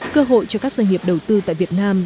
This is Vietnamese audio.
cơ hội cho các doanh nghiệp đầu tư tại việt nam